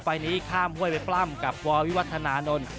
ไฟล์นี้ข้ามห้วยไปปล้ำกับววิวัฒนานนท์